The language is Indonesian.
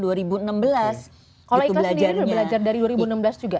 kalau ika sendiri sudah belajar dari dua ribu enam belas juga